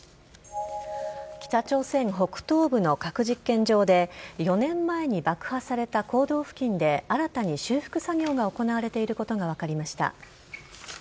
北朝鮮北東部の核実験場で４年前に爆破された坑道付近で新たに修復作業が行われていることが分かりました。